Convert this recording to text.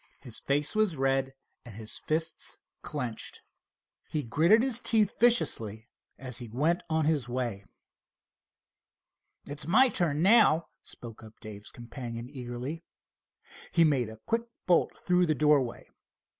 His face was red and his fists clenched. He gritted his teeth viciously as he went on his way. "It's my turn now," spoke up Dave's companion eagerly. He made a quick bolt through the doorway.